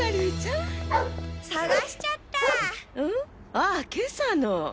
ああ今朝の。